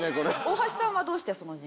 大橋さんはどうしてその字に？